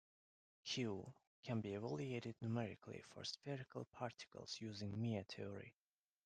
"Q" can be evaluated numerically for spherical particles using Mie theory.